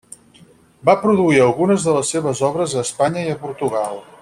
Va produir algunes de les seves obres a Espanya i a Portugal.